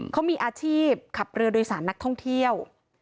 เขามีอาชีพขับเรือโดยสารนักท่องเที่ยว